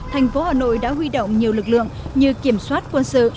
thành phố hà nội đã huy động nhiều lực lượng như kiểm soát quân sự